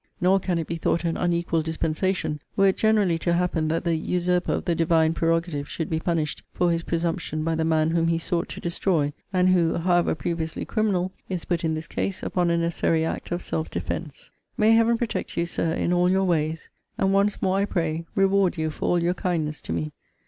Nor can it be thought an unequal dispensation, were it generally to happen that the usurper of the Divine prerogative should be punished for his presumption by the man whom he sought to destroy, and who, however previously criminal, is put, in this case, upon a necessary act of self defence. May Heaven protect you, Sir, in all your ways; and, once more, I pray, reward you for all your kindness to me!